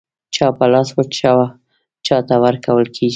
چا په لاس و چاته ورکول کېږي.